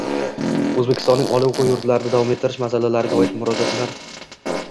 O‘zbekistonning oliy o‘quv yurtlarida davom ettirish masalalariga oid murojaatlar